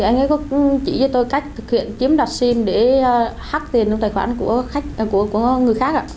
anh ấy có chỉ cho tôi cách thực hiện chiếm đoạt sim để hắc tiền trong tài khoản của người khác